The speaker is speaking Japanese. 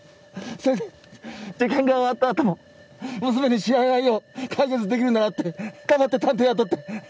それで受験が終わったあとも娘に知られないよう解決できるならって黙って探偵雇って。